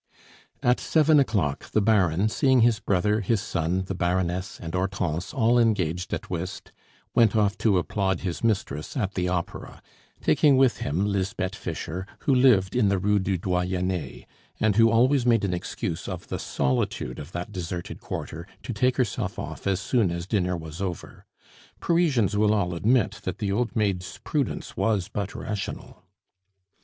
At seven o'clock the Baron, seeing his brother, his son, the Baroness, and Hortense all engaged at whist, went off to applaud his mistress at the Opera, taking with him Lisbeth Fischer, who lived in the Rue du Doyenne, and who always made an excuse of the solitude of that deserted quarter to take herself off as soon as dinner was over. Parisians will all admit that the old maid's prudence was but rational.